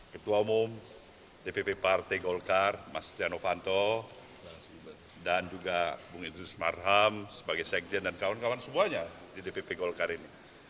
ketua umum dpp partai golkar mas setia novanto dan juga bung idrus marham sebagai sekjen dan kawan kawan semuanya di dpp golkar ini